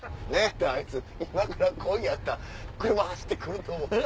あいつ「今から来いや」っつったら車走らせて来ると思う。